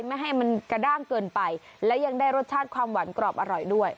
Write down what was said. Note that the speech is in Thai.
ไม่ให้มันกระด้างเกินไปและยังได้รสชาติความหวานกรอบอร่อยด้วย